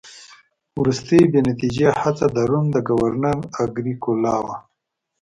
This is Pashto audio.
وروستۍ بې نتیجې هڅه د روم د ګورنر اګریکولا وه